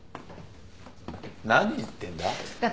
何言ってんだ？